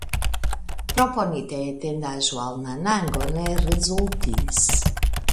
Proponita etendaĵo al Nanango ne rezultis.